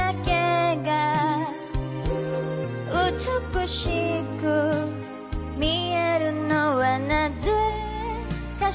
「美しく見えるのは何故かしら」